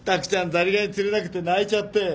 ザリガニ釣れなくて泣いちゃって。